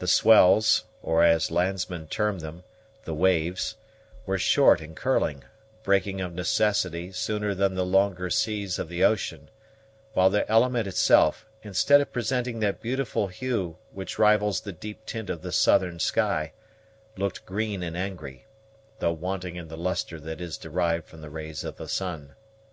The swells, or, as landsmen term them, the waves, were short and curling, breaking of necessity sooner than the longer seas of the ocean; while the element itself, instead of presenting that beautiful hue which rivals the deep tint of the southern sky, looked green and angry, though wanting in the lustre that is derived from the rays of the sun.